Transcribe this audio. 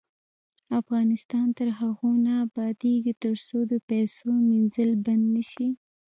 افغانستان تر هغو نه ابادیږي، ترڅو د پیسو مینځل بند نشي.